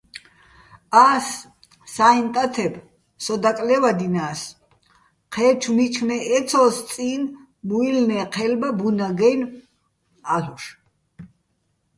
ას საჲჼ ტათებ სო დაკლე́ვადინა́ს, ჴე́ჩო̆ მიჩმე ეცო́ს წი́ნ მუჲლნე́ჴელბა ბუნაგ-აჲნო̆ ა́ლ'ოშ.